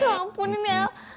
ya ampunin ya